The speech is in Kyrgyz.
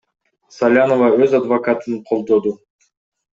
Салянова өз адвокатын колдоду.